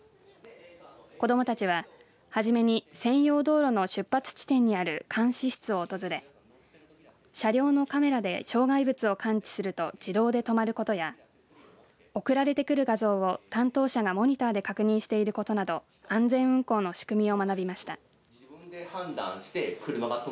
子どもたちは、初めに専用道路の出発地点にある監視室を訪れ車両のカメラで障害物を感知すると自動で止まることや送られてくる画像を担当者がモニターで確認していることなど安全運行の仕組みを学びました。